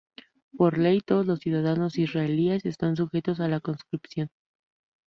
Por ley, todos los ciudadanos israelíes están sujetos a la conscripción.